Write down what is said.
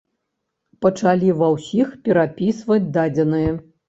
Пачалі ва ўсіх перапісваць дадзеныя.